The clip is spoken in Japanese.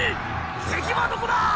敵はどこだ！？